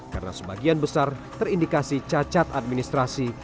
karena sebagian besar terindikasi cacat administrasi